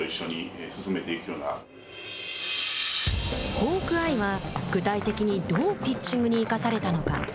ホークアイは具体的にどうピッチングに生かされたのか。